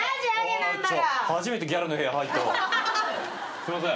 すいません。